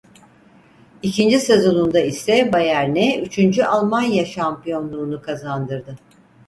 İkinci sezonunda ise Bayern'e üçüncü Almanya şampiyonluğunu kazandırdı.